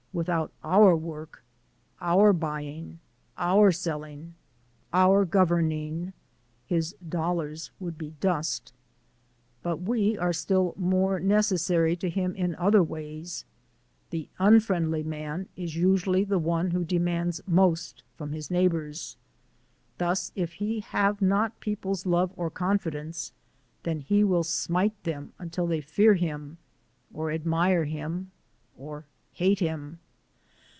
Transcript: Without our work, our buying, our selling, our governing, his dollars would be dust. But we are still more necessary to him in other ways: the unfriendly man is usually the one who demands most from his neighbours. Thus, if he have not people's love or confidence, then he will smite them until they fear him, or admire him, or hate him.